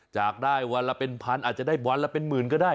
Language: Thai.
จากได้วันละเป็นพันอาจจะได้วันละเป็นหมื่นก็ได้